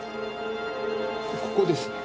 ここですね